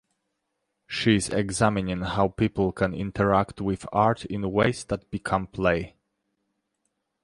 She is examining how people can interact with art in ways that become play.